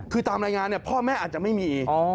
คือตามรายงานเนี่ยพ่อแม่อาจจะไม่มีอีก